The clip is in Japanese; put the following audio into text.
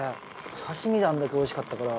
刺身であんだけおいしかったから。